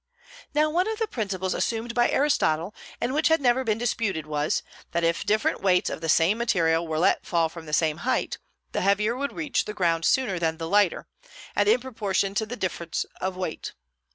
Now one of the principles assumed by Aristotle, and which had never been disputed, was, that if different weights of the same material were let fall from the same height, the heavier would reach the ground sooner than the lighter, and in proportion to the difference of weight.